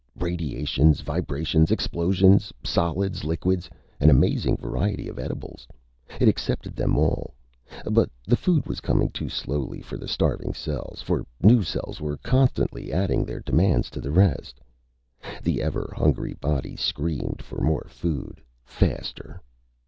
Radiations, vibrations, explosions, solids, liquids an amazing variety of edibles. It accepted them all. But the food was coming too slowly for the starving cells, for new cells were constantly adding their demands to the rest. The ever hungry body screamed for more food, faster!